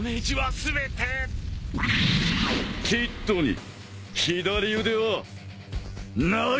キッドに左腕はない！